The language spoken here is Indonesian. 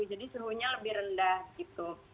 jadi suhunya lebih rendah gitu